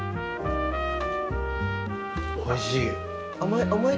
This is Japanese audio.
おいしい。